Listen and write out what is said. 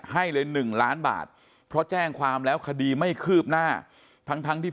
ให้เลย๑ล้านบาทเพราะแจ้งความแล้วคดีไม่คืบหน้าทั้งทั้งที่